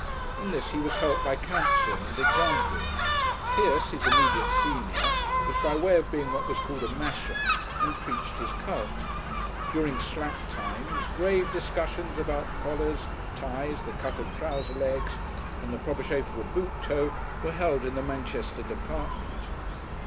In this he was helped by counsel and example. Pierce, his immediate senior, was by way of being what was called a Masher, and preached his cult. During slack times grave discussions about collars, ties, the cut of trouser legs, and the proper shape of a boot toe, were held in the Manchester department.